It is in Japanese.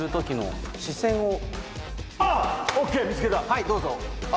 はいどうぞ。